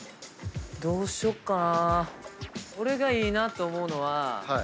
どうしよっかな？